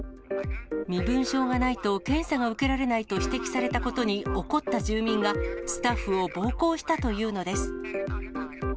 身分証がないと検査が受けられないと指摘されたことに怒った住民が、スタッフを暴行したというのです。